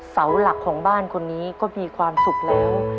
เสาหลักของบ้านคนนี้ก็มีความสุขแล้ว